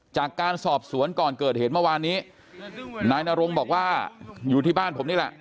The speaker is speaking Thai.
จากการสอบสวนก่อนเกิดเหตุเมื่อวานนี้นายนรงบอกว่าอยู่ที่บ้านผมนี่แหละ